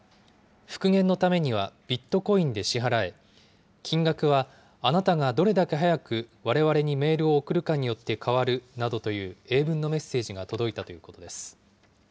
復元のためにはビットコインで支払え、金額はあなたがどれだけ早く、われわれにメールを送るかによって変わるなどという英文のメッセージが届いたということです。